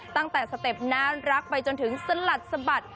ตั้งแต่สเต็ปน่ารักไปจนถึงสลัดสะบัด